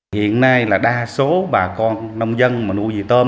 hiện nay là đa số bà con nông dân mà nuôi gì tôm